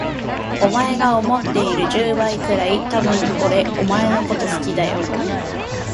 お前が思っている十倍くらい、多分俺お前のこと好きだよ。